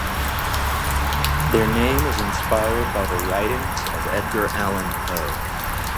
Their name is inspired by the writings of Edgar Allan Poe.